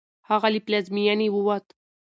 هغه له پلازمېنې ووت.